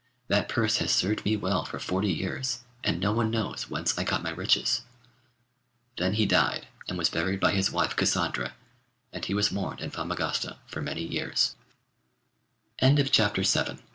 That purse has served me well for forty years, and no one knows whence I got my riches.' Then he died and was buried by his wife Cassandra, and he was mourned in Famagosta for ma